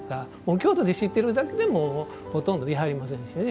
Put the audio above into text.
京都で知っているだけでもほとんどいはりませんしね